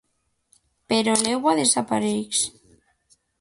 Però l'egua desapareix.